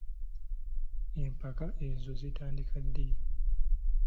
Empaka ezo zitandika ddi?